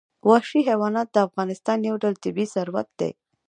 وحشي حیوانات د افغانستان یو ډول طبعي ثروت دی.